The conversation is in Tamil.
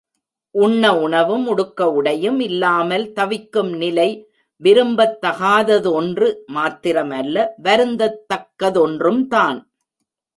உண்ண உணவும் உடுக்க உடையும் இல்லாமல் தவிக்கும் நிலை விரும்பத்தகாததொன்று மாத்திரம் அல்ல, வருந்தத் தக்கதொன்றும்தான்.